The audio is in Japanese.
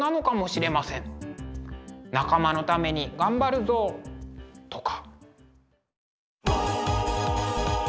仲間のために頑張るぞ！とか。